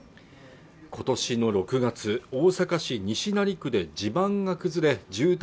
今年の６月大阪市西成区で地盤が崩れ住宅